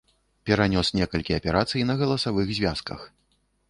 Перанёс некалькі аперацый на галасавых звязках.